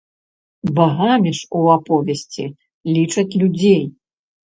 Багамі ж у аповесці лічаць людзей.